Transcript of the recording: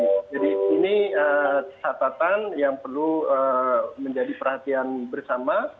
jadi ini catatan yang perlu menjadi perhatian bersama